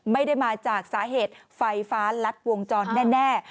ไม่ได้มาจากสาเหตุไฟฟ้ารัดวงจรแน่